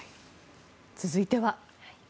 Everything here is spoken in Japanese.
続いては。